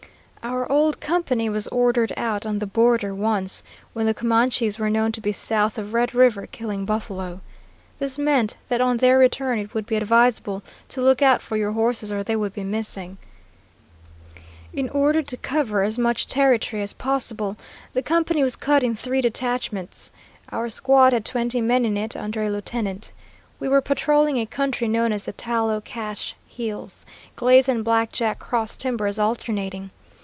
"Our old company was ordered out on the border once, when the Comanches were known to be south of Red River killing buffalo. This meant that on their return it would be advisable to look out for your horses or they would be missing. In order to cover as much territory as possible, the company was cut in three detachments. Our squad had twenty men in it under a lieutenant. We were patrolling a country known as the Tallow Cache Hills, glades and black jack cross timbers alternating.